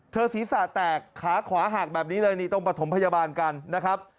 ศีรษะแตกขาขวาหักแบบนี้เลยนี่ต้องประถมพยาบาลกันนะครับ